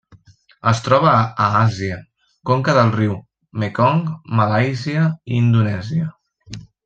Es troba a Àsia: conca del riu Mekong, Malàisia i Indonèsia.